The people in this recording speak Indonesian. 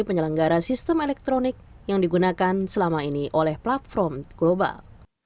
penyelenggara sistem elektronik yang digunakan selama ini oleh platform global